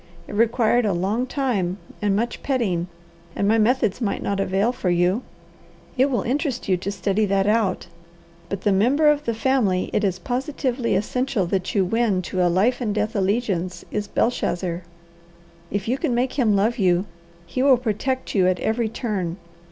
It required a long time and much petting, and my methods might not avail for you. It will interest you to study that out. But the member of the family it is positively essential that you win to a life and death allegiance is Belshazzar. If you can make him love you, he will protect you at every turn.